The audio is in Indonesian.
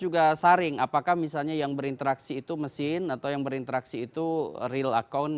juga saring apakah misalnya yang berinteraksi itu mesin atau yang berinteraksi itu real account